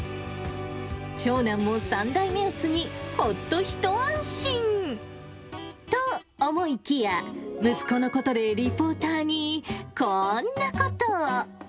長男も３代目を継ぎ、ほっと一安心。と思いきや、息子のことで、リポーターにこんなことを。